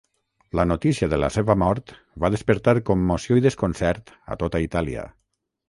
La notícia de la seva mort va despertar commoció i desconcert a tota Itàlia.